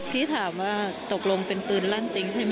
พี่ถามว่าตกลงเป็นปืนลั่นจริงใช่ไหม